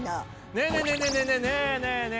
ねえねえねえねえ！